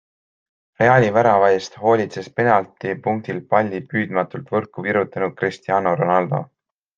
Reali värava eest hoolitses penaltipunktilt palli püüdmatult võrku virutanud Cristiano Ronaldo.